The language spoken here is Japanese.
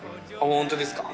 本当ですか。